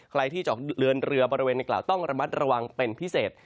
ใครที่จะออกเรือนเรือบริเวณในกล่าวต้องระมัดระวังเป็นพิเศษ